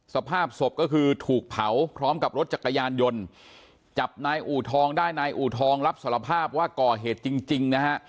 สภาพศพก็คือถูกเผาพร้อมกับรถจักรยานยนต์จับนายอูทองได้นายอูทองรับสารภาพว่าก่อเหตุจริงจริงนะฮะ